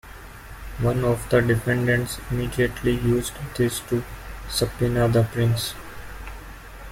One of the defendants immediately used this to subpoena the prince.